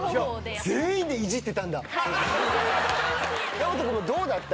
矢本君もどうだった？